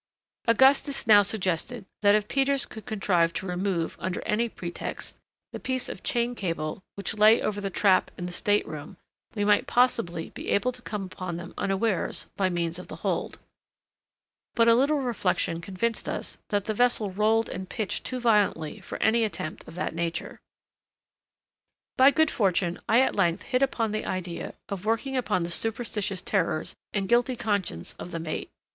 Augustus now suggested that if Peters could contrive to remove, under any pretext, the piece of chain cable which lay over the trap in the stateroom, we might possibly be able to come upon them unawares by means of the hold; but a little reflection convinced us that the vessel rolled and pitched too violently for any attempt of that nature. By good fortune I at length hit upon the idea of working upon the superstitious terrors and guilty conscience of the mate.